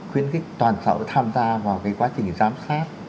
khuyến khích toàn xã hội tham gia vào quá trình giám sát